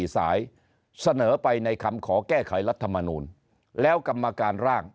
สายเสนอไปในคำขอแก้ไขรัฐมนูลแล้วกรรมการร่าง